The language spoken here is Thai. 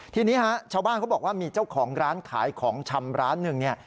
ทีนี้ฮะชาวบ้านเขาบอกว่ามีเจ้าของร้านขายของชำร้านหนึ่งเนี่ย